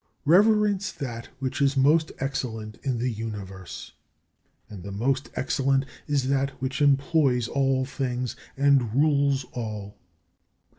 21. Reverence that which is most excellent in the Universe, and the most excellent is that which employs all things and rules all.